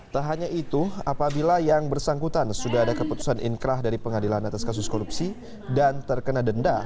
tak hanya itu apabila yang bersangkutan sudah ada keputusan inkrah dari pengadilan atas kasus korupsi dan terkena denda